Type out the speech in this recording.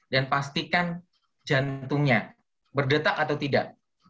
dan pastikan jantungnya berdetak atau tidak